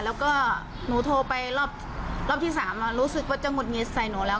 แล้วก็หนูโทรไปรอบที่๓รู้สึกว่าจะหุดหงิดใส่หนูแล้ว